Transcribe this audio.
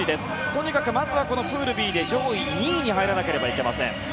とにかくまずはプールＢで上位２位に入らなければいけません。